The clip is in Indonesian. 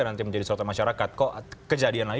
nanti menjadi sorotan masyarakat kok kejadian lagi